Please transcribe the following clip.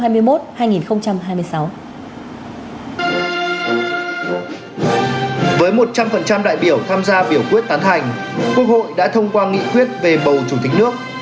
với một trăm linh đại biểu tham gia biểu quyết tán thành quốc hội đã thông qua nghị quyết về bầu chủ tịch nước